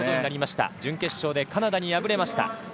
準決勝でカナダに敗れました。